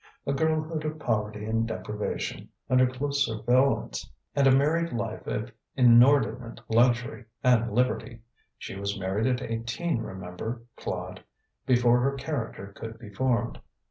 A girlhood of poverty and deprivation, under close surveillance, and a married life of inordinate luxury and liberty. She was married at eighteen, remember, Claude before her character could be formed.